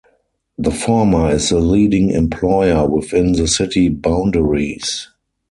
The former is the leading employer within the city boundaries.